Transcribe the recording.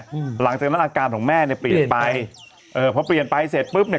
หลังจากนั้นอาการของแม่เนี้ยเปลี่ยนไปเอ่อพอเปลี่ยนไปเสร็จปุ๊บเนี้ย